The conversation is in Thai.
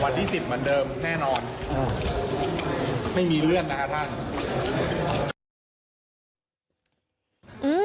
วันที่สิบเหมือนเดิมแน่นอนไม่มีเลื่อนนะครับท่าน